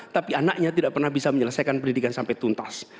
tapi anaknya tidak pernah bisa menyelesaikan pendidikan sampai tuntas